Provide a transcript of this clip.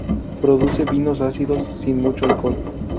Produce vinos ácidos, sin mucho alcohol.